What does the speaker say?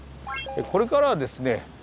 これからはですね